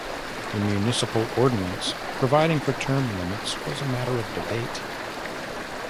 The municipal ordinance providing for term limits was a matter of debate.